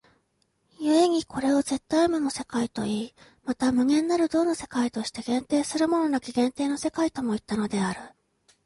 故にこれを絶対無の世界といい、また無限なる動の世界として限定するものなき限定の世界ともいったのである。